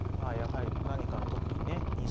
やはり何かの時にね